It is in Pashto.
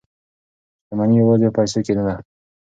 شتمني یوازې په پیسو کې نه ده.